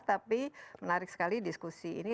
tapi menarik sekali diskusi ini